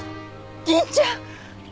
銀ちゃん！